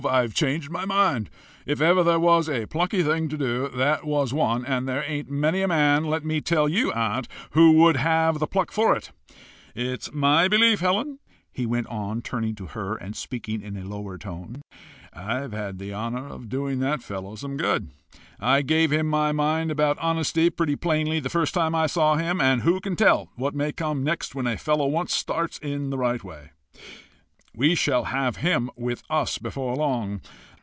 I've changed my mind. If ever there was a plucky thing to do, that was one, and there ain't many men, let me tell you, aunt, who would have the pluck for it. It's my belief, Helen," he went on, turning to her and speaking in a lower tone, "I've had the honour of doing that fellow some good. I gave him my mind about honesty pretty plainly the first time I saw him. And who can tell what may come next when a fellow once starts in the right way! We shall have him with us before long.